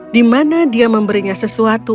di mana dia memberinya sesuatu